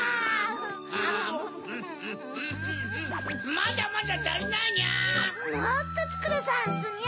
まだまだたりないにゃ！